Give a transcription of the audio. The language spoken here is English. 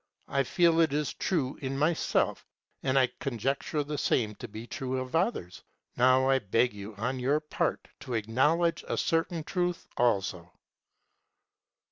I feel it is true in myself, and I conjecture the same to be true of others. Now I beg you on your part to acknowledge a certain truth also.